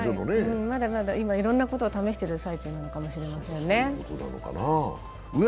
まだまだ今、いろんなことを試している最中なのかもしれませんね。